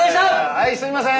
はいすいません。